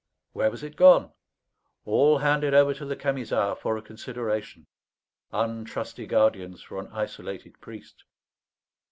Where was it gone? All handed over to the Camisards for a consideration. Untrusty guardians for an isolated priest!